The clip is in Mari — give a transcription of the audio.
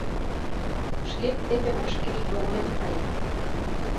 Шке теве вашке йоҥлен кает.